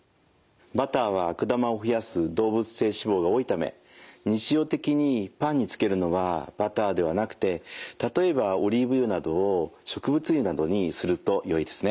バターは悪玉を増やす動物性脂肪が多いため日常的にパンにつけるのはバターではなくて例えばオリーブ油など植物油にするとよいですね。